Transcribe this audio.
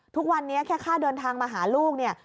ทุกวันนี้แค่ค่าเดินทางมาหาลูกเนี่ย